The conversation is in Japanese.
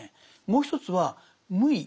もう一つは無為。